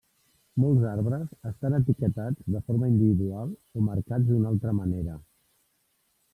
Molts arbres estan etiquetats de forma individual o marcats d'una altra manera.